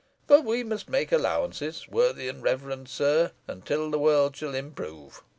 But we must make allowances, worthy and reverend sir, until the world shall improve.